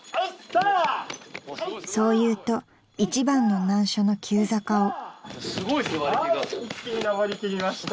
［そう言うと一番の難所の急坂を］